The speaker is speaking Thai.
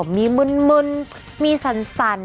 มีมืนมืนมีสัน